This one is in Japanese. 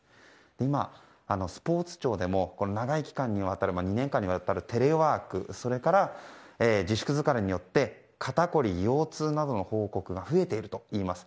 今、スポーツ庁でも長い期間にわたる２年間にわたるテレワークそれから自粛疲れによって肩凝り、腰痛などの報告が増えているといいます。